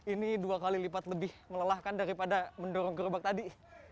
ini dua kali lipat lebih melelahkan daripada mendorong gerobak tadi